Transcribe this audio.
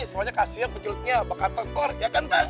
soalnya kasihan penculiknya bakal tekor ya kan teh